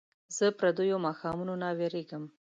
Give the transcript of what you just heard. زه پردیو ماښامونو نه ویرېږم